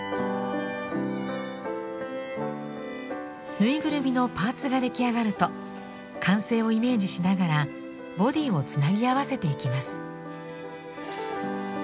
ぬいぐるみのパーツが出来上がると完成をイメージしながらボディーをつなぎ合わせていきます。